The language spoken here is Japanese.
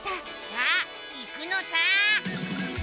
さあ行くのさ！